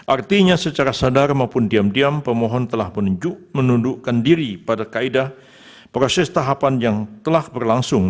artinya secara sadar maupun diam diam pemohon telah menundukkan diri pada kaedah proses tahapan yang telah berlangsung